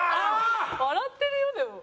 笑ってるよでも。